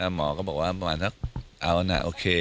หมอก็บอกว่าประมาณสัก